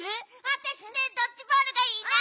あたしねドッジボールがいいな！